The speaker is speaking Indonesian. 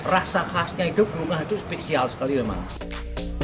rasa khasnya itu kelungah itu spesial sekali memang